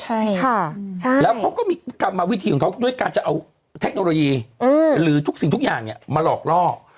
ใช่แล้วเขาก็มีกลับมาวิธีของเขาด้วยการจะเอาเทคโนโลยีหรือสิ่งทุกอย่างมาหลอกลอก